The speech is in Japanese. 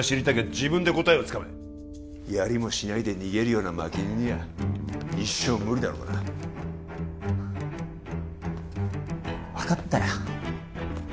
自分で答えをつかめやりもしないで逃げるような負け犬には一生無理だろうがな分かったよ